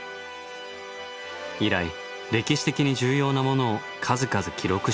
以来歴史的に重要なものを数々記録してきました。